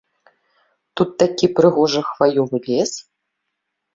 Тут такі прыгожы хваёвы лес.